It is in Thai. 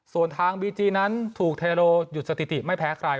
ส่วนทางบีจีนั้นถูกเทโรหยุดสถิติไม่แพ้ใคร